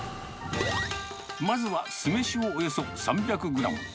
まずは酢飯をおよそ３００グラム。